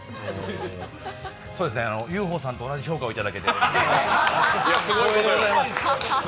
Ｕ．Ｆ．Ｏ．さんと同じ評価をいただけてうれしいです。